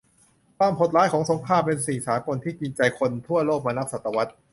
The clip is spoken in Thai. ความโหดร้ายของสงครามเป็นสิ่งสากลที่กินใจคนทั่วโลกมานับศตวรรษ